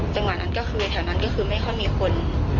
จังหวะนั้นก็คือแถวนั้นก็คือไม่ค่อยมีคน